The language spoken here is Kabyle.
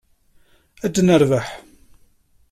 Ad nerbeḥ.